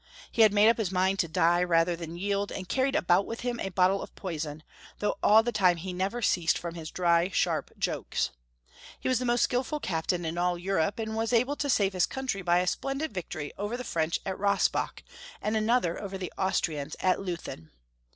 He had made up his mind to die rather than yield, and carried about with him a bottle of poison, though all the time he never ceased from his dry, sharp jokes. He was the most skillful captain in all Europe, and was able to save his country by a splendid victory over the French at Rossbach, and another over the Austrians at Leuthen.